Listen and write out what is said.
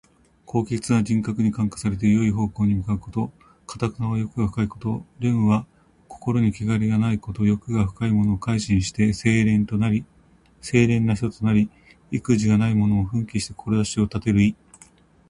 高潔な人格に感化されて、よい方向に向かうこと。「頑」は欲が深いこと。「廉」は心にけがれがないこと。欲が深いものも改心して清廉な人となり、意気地がないものも奮起して志を立てる意。